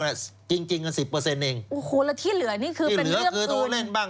และที่เหลือนี่คือเป็นเรื่องเกินที่เหลือคือโทรเล่นบ้าง